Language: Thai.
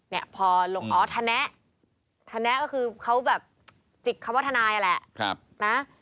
เนี่ยพอหลงออธแนะแนะก็คือเค้าแบบจิกคำว่าทนายอะแหละ